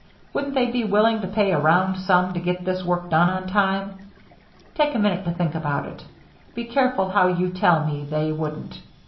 Wouldn't they be willing to pay a round sum to get this work done on time? Take a minute to think about it. Be careful how you tell me they wouldn't.